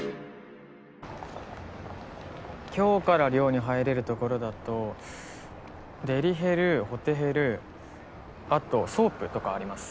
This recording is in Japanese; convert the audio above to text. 今日から寮に入れるところだとデリヘルホテヘルあとソープとかあります。